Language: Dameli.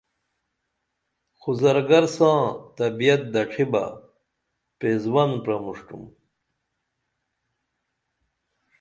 خو زرگر ساں طبعیت دڇھی بہ پیزوان پرمُݜٹُم